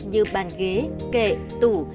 như bàn ghế kệ tủ